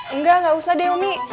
enggak enggak usah deh umi